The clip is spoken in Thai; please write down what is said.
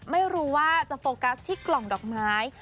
ไม่รู้ว่าจะโฟกัสที่กล่องดอกไม้